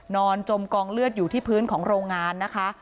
จมกองเลือดอยู่ที่พื้นของโรงงานนะคะ